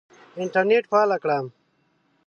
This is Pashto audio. انټرنېټ فعاله کړه !